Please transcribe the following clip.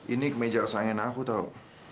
ini kemeja resahnya anak aku tau